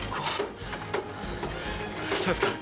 そうですか。